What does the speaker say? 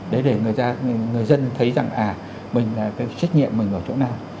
đấy để người dân thấy rằng à mình là cái trách nhiệm mình ở chỗ nào